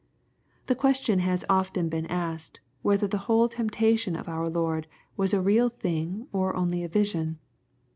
The question has often been asked, whether the whole temp tation of our Lord was a real thingOTgnly a vision.